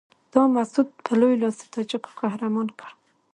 تا مسعود په لوی لاس د تاجکو قهرمان کړ.